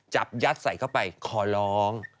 จับยัดใส่เข้าไปขอร้อง